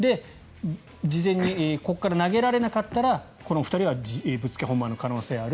事前にここから投げられなかったらこの２人はぶっつけ本番の可能性がある。